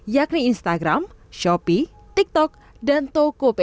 yakni instagram shopee tiktok dan tokopedia